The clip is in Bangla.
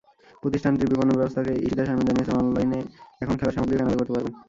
প্রতিষ্ঠানটির বিপণন ব্যবস্থাপক ঈশিতা শারমিন জানিয়েছেন, অনলাইনে এখন খেলার সামগ্রীও কেনাবেচা করতে পারবেন।